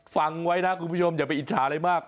ฟังไว้นะคุณผู้ชมอย่าไปอิจฉาอะไรมาก